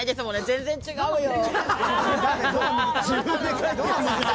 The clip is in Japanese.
全然違うよ。